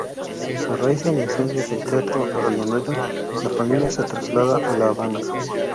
A raíz del incendio del Teatro Avellaneda la familia se traslada a La Habana.